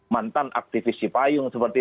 mantan aktivis cipayung seperti